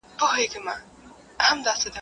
څاڅکی یم په موج کي فنا کېږم ته به نه ژاړې.